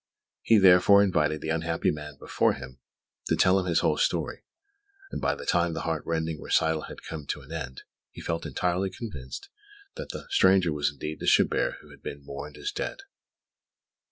He, therefore, invited the unhappy man before him to tell him his whole story; and by the time the heart rending recital had come to an end, he felt entirely convinced that the stranger was indeed the Chabert who had been mourned as dead.